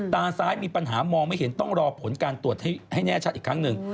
ตาซ้ายมีปัญหามองไม่เห็นต้องรอผลการตรวจให้แน่ชัดอีกครั้งหนึ่ง